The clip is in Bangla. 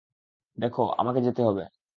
দেখ, আমাকে যেতে হবে।